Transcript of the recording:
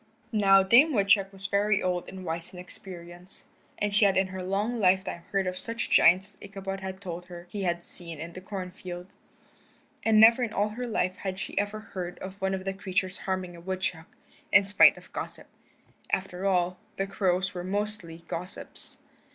Now Dame Woodchuck was very old and wise in experience, and she had in her long lifetime heard of such giants as Ichabod told her he had seen in the corn field. And never in all her life had she ever heard of one of the creatures harming a woodchuck, in spite of gossip. After all, the crows were mostly gossips.